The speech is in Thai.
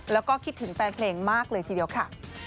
แล้วก็คิดถึงแฟนเพลงมากเลยทีเดียวค่ะ